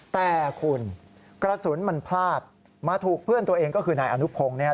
แต่คุณกระสุนมันพลาดมาถูกเพื่อนตัวเองก็คือนายอนุพงศ์เนี่ย